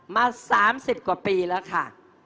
มา๓๐กว่าปีแล้วค่ะ